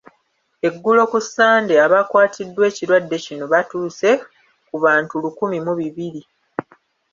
Eggulo ku Ssande abakwatiddwa ekirwadde kino batuuse ku bantu lukumi mu bibiri.